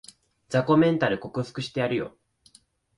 雑魚メンタル克服してやるよ